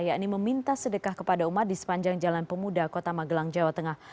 yakni meminta sedekah kepada umat di sepanjang jalan pemuda kota magelang jawa tengah